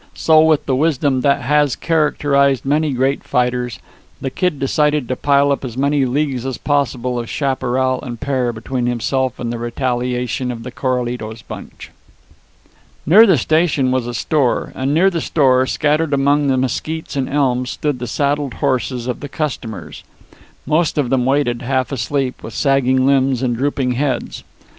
So, with the wisdom that has characterized many great fighters, the Kid decided to pile up as many leagues as possible of chaparral and pear between himself and the retaliation of the Coralitos bunch. Near the station was a store; and near the store, scattered among the mesquits and elms, stood the saddled horses of the customers. Most of them waited, half asleep, with sagging limbs and drooping heads.